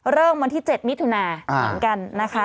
วันที่๗มิถุนาเหมือนกันนะคะ